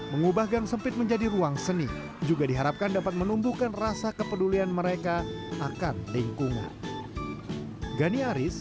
mengubah gang sempit menjadi ruang seni juga diharapkan dapat menumbuhkan rasa kepedulian mereka akan lingkungan